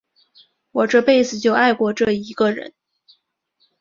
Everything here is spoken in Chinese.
我这辈子就爱过这一个人。